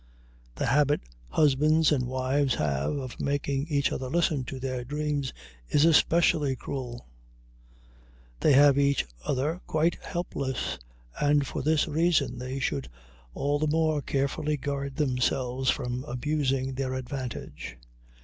The habit husbands and wives have of making each other listen to their dreams is especially cruel. They have each other quite helpless, and for this reason they should all the more carefully guard themselves from abusing their advantage.